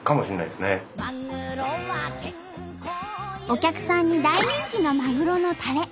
お客さんに大人気のまぐろのたれ。